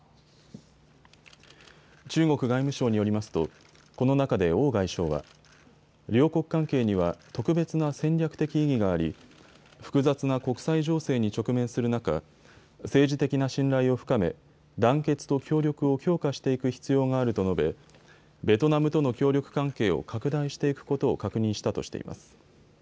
中国外務省によりますとこの中で王外相は両国関係には特別な戦略的意義があり複雑な国際情勢に直面する中、政治的な信頼を深め団結と協力を強化していく必要があると述べベトナムとの協力関係を拡大していくことを確認したとしています。